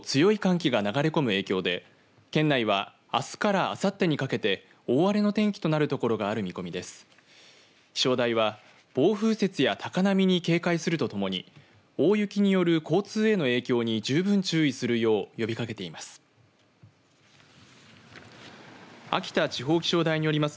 気象台は暴風雪や高波に警戒するとともに大雪による交通への影響に十分注意するよう呼びかけています。